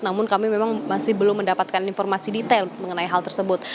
namun kami memang masih belum mendapatkan informasi detail mengenai hal tersebut